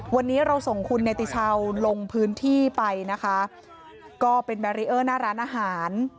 วันนี้เราส่งคุณเนติชาวลงพื้นที่ไปนะคะก็เป็นแบรีเออร์หน้าร้านอาหาร